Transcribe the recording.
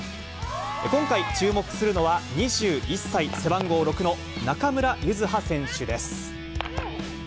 今回、注目するのは２１歳、背番号６の中村柚葉選手です。